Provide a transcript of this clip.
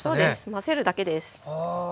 混ぜるだけです。